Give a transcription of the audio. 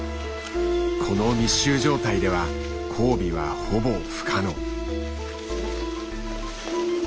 この密集状態では交尾はほぼ不可能。